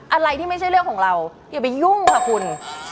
อะไรที่ไม่ใช่เรื่องของเราอย่าไปยุ่งค่ะคุณ